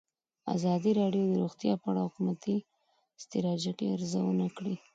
ازادي راډیو د روغتیا په اړه د حکومتي ستراتیژۍ ارزونه کړې.